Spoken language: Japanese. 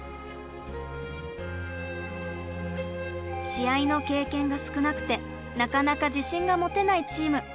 試合の経験が少なくてなかなか自信が持てないチーム。